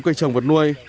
cây trồng vật nuôi